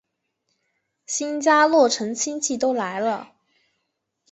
新家落成亲戚都来了